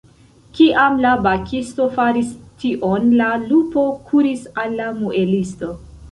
Kiam la bakisto faris tion, la lupo kuris al la muelisto.